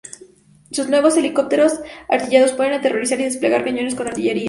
Sus nuevos helicópteros artillados pueden aterrizar y desplegar cañones de artillería.